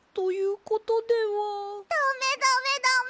ダメダメダメ！